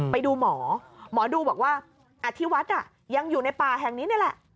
ไปดูหมอหมอดูบอกว่าอธิวัฒน์ยังอยู่ในป่าแห่งนี้นี่แหละ